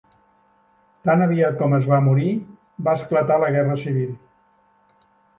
Tan aviat com es va morir, va esclatar la guerra civil.